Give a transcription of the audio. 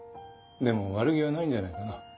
でも悪気はないんじゃないかな。